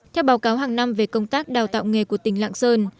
theo báo cáo hàng năm về công tác đào tạo nghề của tỉnh lạng sơn